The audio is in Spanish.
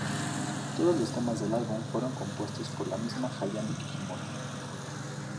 Todos los temas del álbum fueron compuestos por la misma Hayami Kishimoto.